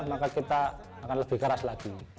maka kita akan lebih keras lagi